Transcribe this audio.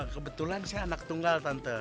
kebetulan saya anak tunggal tante